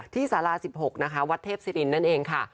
สารา๑๖นะคะวัดเทพศิรินนั่นเองค่ะ